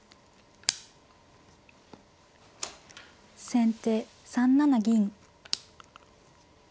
先手３七銀。